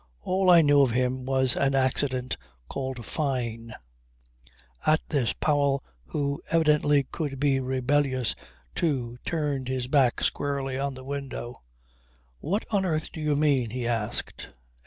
All I knew of him was an accident called Fyne. At this Mr. Powell who evidently could be rebellious too turned his back squarely on the window. "What on earth do you mean?" he asked.